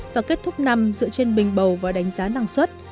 và kết thúc năm dựa trên bình bầu và đánh giá năng suất